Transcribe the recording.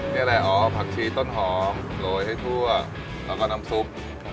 นี่อะไรอ๋อผักชีต้นหอมโรยให้ทั่วแล้วก็น้ำซุป